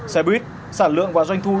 xe buýt sản lượng và doanh thu